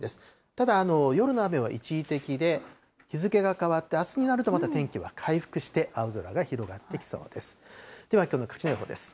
ただ、夜の雨は一時的で、日付が変わってあすになると、また天気は回復して、青空が広がってきそうです。